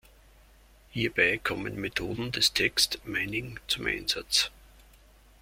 Hierbei kommen Methoden des Text Mining zum Einsatz.